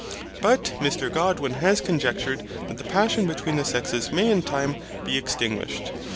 But Mr Godwin has conjectured that the passion between the sexes may in time be extinguished.